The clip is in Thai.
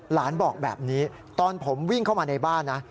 หลานบอกแบบนี้ตอนผมวิ่งเข้ามาในบ้านนะ